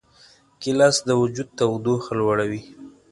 ګیلاس د وجود تودوخه لوړوي.